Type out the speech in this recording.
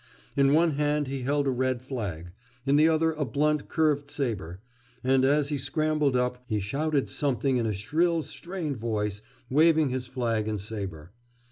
In one hand he held a red flag, in the other a blunt curved sabre, and as he scrambled up, he shouted something in a shrill strained voice, waving his flag and sabre.